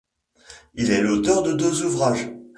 Il est l'auteur de deux ouvrages.